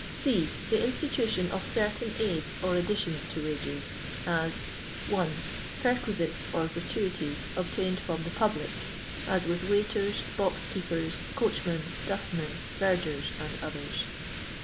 C. The inititution qf certain aids or additions to woffes; as — 1. Perquisites or gratuities obtained from the public; as with waiters, boxkeepers, coach men, dustmen, vergers, and others.